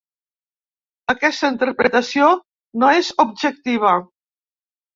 Aquesta interpretació no és objectiva.